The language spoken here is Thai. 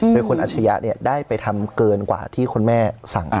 โดยคุณอัชยะได้ไปทำเกินกว่าที่คุณแม่สั่ง